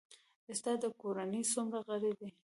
ستا د کورنۍ څومره غړي دي؟